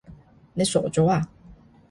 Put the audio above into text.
你傻咗呀？